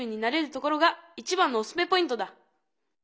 ところが一番のおすすめポイントだ！